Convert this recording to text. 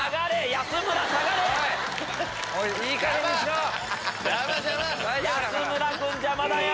安村君邪魔だよ！